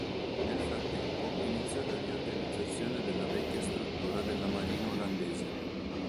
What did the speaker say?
Nel frattempo, iniziò la riorganizzazione della vecchia struttura della marina olandese.